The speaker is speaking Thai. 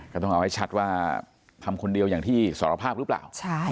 ก็ต้องเอาให้ชัดว่าทำคนเดียวอย่างที่สารภาพหรือเปล่า